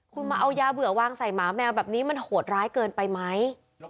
คุณมาเอายาเบื่อวางใส่หมาแมวแบบนี้มันโหดร้ายเกินไปไหม